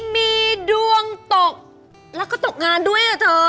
มีดวงตกแล้วก็ตกงานด้วยอ่ะเธอ